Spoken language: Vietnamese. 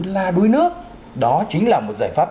la đuối nước đó chính là một giải pháp